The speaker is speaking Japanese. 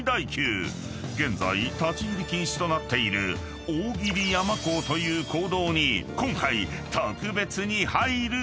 ［現在立ち入り禁止となっている大切山坑という坑道に今回特別に入る許可が］